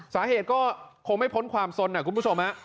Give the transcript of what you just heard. สาเหตุก็คงไม่พ้นความสนนะคุณผู้ชมฮะ